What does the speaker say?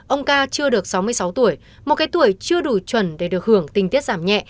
ông ca chưa được sáu mươi sáu tuổi một cái tuổi chưa đủ chuẩn để được hưởng tình tiết giảm nhẹ